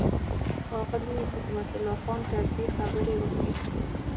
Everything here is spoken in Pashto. ښاغلي حکمت الله خان کرزي خبرې وکړې.